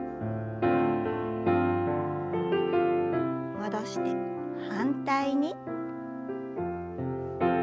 戻して反対に。